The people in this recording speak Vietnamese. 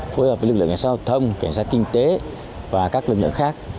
phối hợp với lực lượng cảnh sát hình sự cảnh sát kinh tế và các lực lượng khác